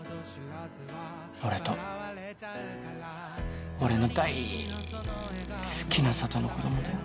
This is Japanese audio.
俺と俺の大好きな佐都の子供だよ。